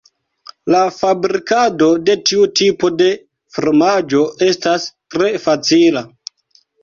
La fabrikado de tiu tipo de fromaĝo estas tre facila.